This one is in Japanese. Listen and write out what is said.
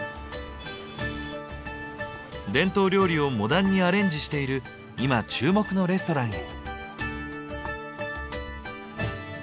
伝統料理をモダンにアレンジしている今注目のレストランへ。